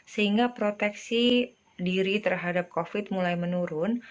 sehingga proteksi diri terhadap covid mulai menurun